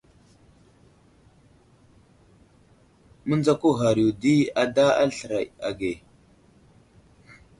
Mənzako ghar yo di ada aslər age.